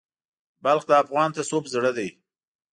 بلخ د افغان تصوف زړه دی.